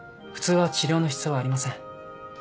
普通は治療の必要はありません。